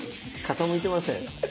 傾いてません？